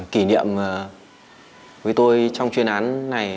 kỷ niệm với tôi trong chuyên án này